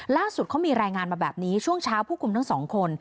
ล่าสุดเขามีรายงานมาแบบนี้ช่วงเช้าผู้คุมทั้งสองคน